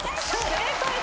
正解！